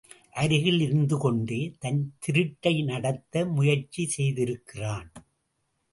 அருகில் இருந்துகொண்டே தன் திருட்டை நடத்த முயற்சி செய்திருக்கிறான்.